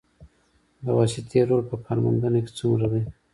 د واسطې رول په کار موندنه کې څومره دی؟